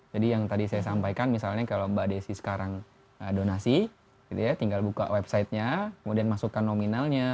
jadi yang tadi saya sampaikan misalnya kalau mbak desi sekarang donasi tinggal buka website nya kemudian masukkan nominalnya